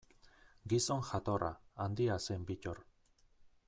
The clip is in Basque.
Gizon jatorra, handia zen Bittor.